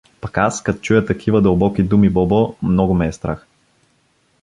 — Пък аз, кат чуя такива дълбоки думи, Бобо, много ме е страх.